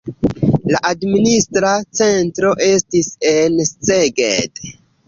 La administra centro estis en Szeged.